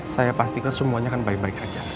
saya pastikan semuanya kan baik baik aja